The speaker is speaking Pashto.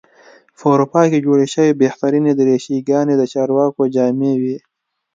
په اروپا کې جوړې شوې بهترینې دریشي ګانې د چارواکو جامې وې.